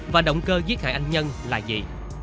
và động cơ giết hại anh nhân là gì